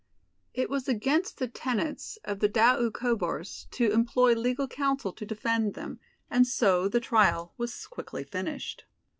It was against the tenets of the Doukhobors to employ legal counsel to defend them, and so the trial was quickly finished.